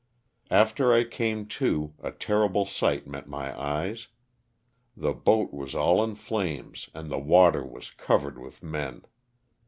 After I came to, a terrible sight met my eyes. The boat was all in flames and the water was covered with men.